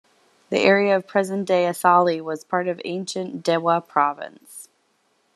The area of present-day Asahi was part of ancient Dewa Province.